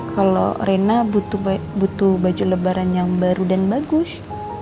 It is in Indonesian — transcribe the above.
kalau rena butuh baju lebaran yang baru dan bagus